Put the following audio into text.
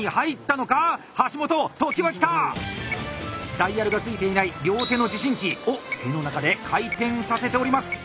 ダイヤルがついていない両手の持針器おっ手の中で回転させております！